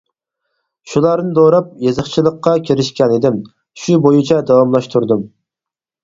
شۇلارنى دوراپ يېزىقچىلىققا كىرىشكەنىدىم، شۇ بويىچە داۋاملاشتۇردۇم.